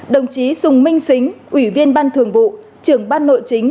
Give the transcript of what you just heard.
đồng chí sùng minh xính ủy viên ban thường vụ trưởng ban nội chính